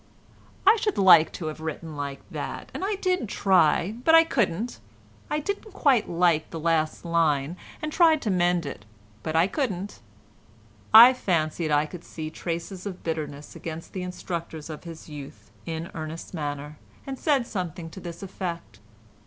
I should like to have written that, and I did try, but I couldn't. I didn't quite like the last line, and tried to mend it, but I couldn't." I fancied I could see traces of bitterness against the instructors of his youth in Ernest's manner, and said something to this effect.